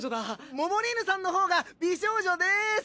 モモリーヌさんのほうが美少女です！